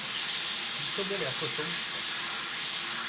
Působil jako soudce.